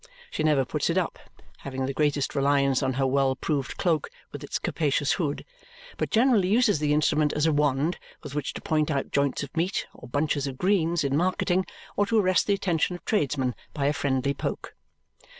She never puts it up, having the greatest reliance on her well proved cloak with its capacious hood, but generally uses the instrument as a wand with which to point out joints of meat or bunches of greens in marketing or to arrest the attention of tradesmen by a friendly poke.